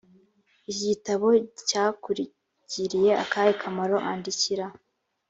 iki gitabo cyakugiriye akahe kamaro andikira